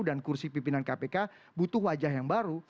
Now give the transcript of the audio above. dan kursi pimpinan kpk butuh wajah yang baru